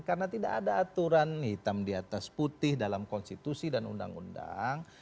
karena tidak ada aturan hitam di atas putih dalam konstitusi dan undang undang